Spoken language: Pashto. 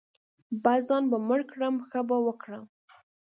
بـس ځان به مړ کړم ښه به وکړم.